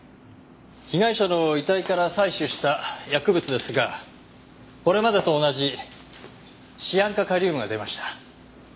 被害者の遺体から採取した薬物ですがこれまでと同じシアン化カリウムが出ました。